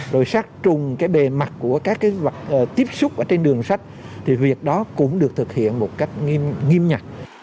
rồi sát trùng cái bề mặt của các cái vật tiếp xúc ở trên đường sách thì việc đó cũng được thực hiện một cách nghiêm ngặt